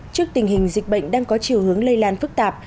trước tình hình dịch bệnh đang có chiều hướng lây lan phức tạp